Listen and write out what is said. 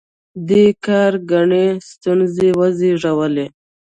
دې کار ګڼې ستونزې وزېږولې.